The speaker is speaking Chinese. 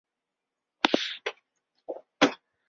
帕妥珠单抗是一种单克隆抗体。